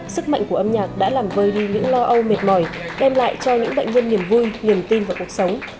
sức mạnh của âm nhạc đã làm vơi đi những lo âu mệt mỏi đem lại cho những bệnh nhân niềm vui niềm tin vào cuộc sống